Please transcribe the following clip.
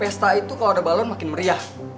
pesta itu kalau ada balon makin meriah